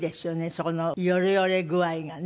そこのよれよれ具合がね。